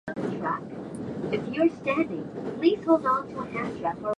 文章書くのしんどい